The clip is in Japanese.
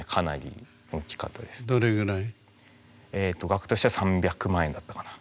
額としては３００万円だったかな。